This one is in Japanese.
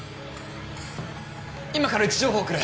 今から位置情報送る！